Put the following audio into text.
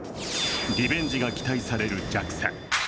リベンジが期待されるＪＡＸＡ。